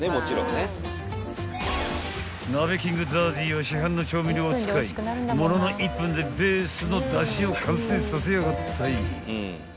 ［鍋キングＺＡＺＹは市販の調味料を使いものの１分でベースのだしを完成させやがったい］